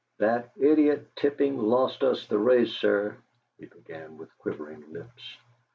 "That idiot Tipping lost us the race, sir," he began with quivering lips.